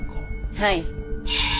はい。